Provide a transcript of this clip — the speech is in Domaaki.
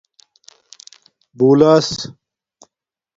بُولس